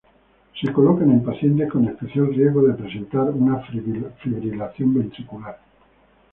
Se colocan en pacientes con especial riesgo de presentar una fibrilación ventricular.